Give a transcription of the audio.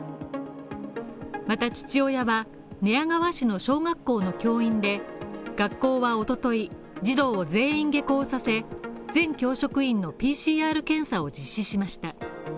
また父親は、寝屋川市の小学校の教員で、学校は一昨日、児童を全員下校させ、全教職員のＰＣＲ検査を実施しました。